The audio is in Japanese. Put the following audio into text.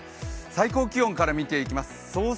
最高気温から見ていきます。